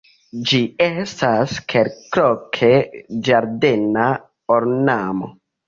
Ĝi estas kelkloke ĝardena ornamo.